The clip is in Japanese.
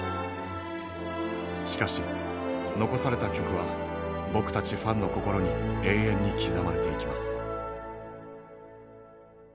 しかし、残された曲は僕たちファンの心に永遠に刻まれていきます。